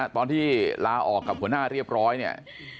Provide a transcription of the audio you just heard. ตอนที่ลาออกกับหัวหน้าเรียบร้อยเนี่ย